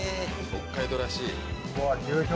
北海道らしい。